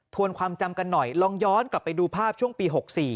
วนความจำกันหน่อยลองย้อนกลับไปดูภาพช่วงปี๖๔